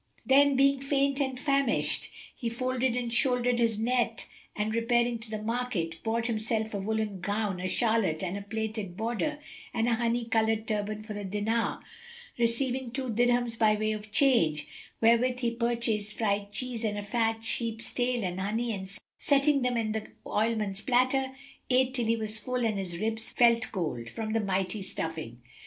Then, being faint and famisht, he folded and shouldered his net and, repairing to the market, bought himself a woollen gown, a calotte with a plaited border and a honey coloured turband for a dinar receiving two dirhams by way of change, wherewith he purchased fried cheese and a fat sheep's tail and honey and setting them in the oilman's platter, ate till he was full and his ribs felt cold[FN#276] from the mighty stuffing.